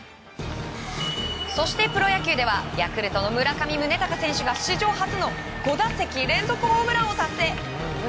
そしてプロ野球ではヤクルトの村上宗隆選手が史上初の５打席連続ホームランを達成。